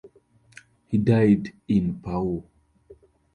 He died in Pau.